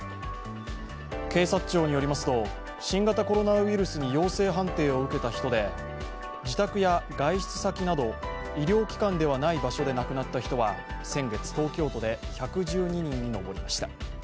警察庁によりますと、新型コロナウイルスに陽性判定を受けた人で自宅や外出先など医療機関ではない場所で亡くなった人は先月、東京都で１１２人に上りました。